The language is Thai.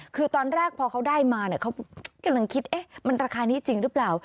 คือตอนแรกพอเขาได้มาเนี่ยเขากำลังคิดมันราคานี้จริงหรือเปล่า